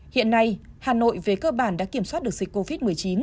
hiện nay hà nội về cơ bản đã kiểm soát được dịch covid một mươi chín